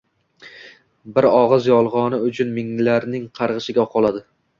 Bir og’iz Yolg’oni uchun minglarning qarg’ishiga qoladi.